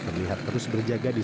mengenai yang terjadi